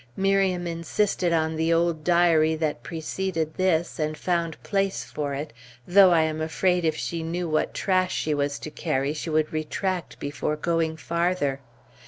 Miriam insisted on the old diary that preceded this, and found place for it, though I am afraid if she knew what trash she was to carry, she would retract before going farther.